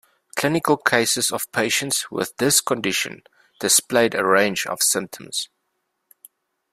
Clinical cases of patients with this condition displayed a range of symptoms.